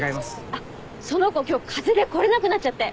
あっその子今日風邪で来れなくなっちゃって。